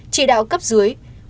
chỉ đạo cấp dưới